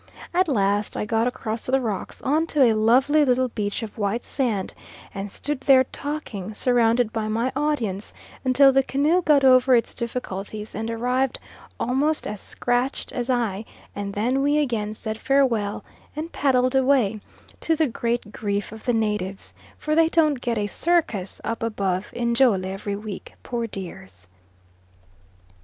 At last I got across the rocks on to a lovely little beach of white sand, and stood there talking, surrounded by my audience, until the canoe got over its difficulties and arrived almost as scratched as I; and then we again said farewell and paddled away, to the great grief of the natives, for they don't get a circus up above Njole every week, poor dears.